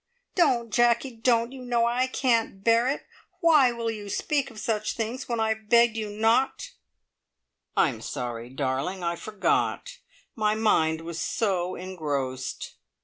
"Don't, Jacky don't! You know I can't bear it. Why will you speak of such things when I have begged you not?" "I'm sorry, darling. I forgot. My mind was so engrossed."